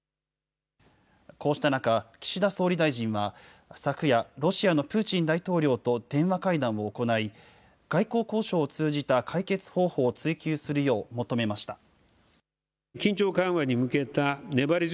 こうした中、岸田総理大臣は、昨夜、ロシアのプーチン大統領と電話会談を行い、外交交渉を通じた解決方法を追求するよう求めました。